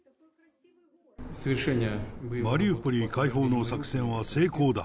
マリウポリ解放の作戦は成功だ。